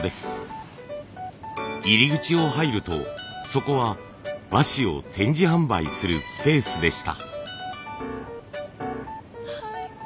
入り口を入るとそこは和紙を展示販売するスペースでした。